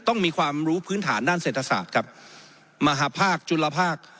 ต้องมีความรู้พื้นฐานด้านเศรษฐศาสตร์ครับมหาภาคจุลภาค